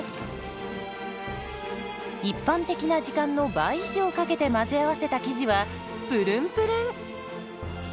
一般的な時間の倍以上かけて混ぜ合わせた生地はプルンプルン。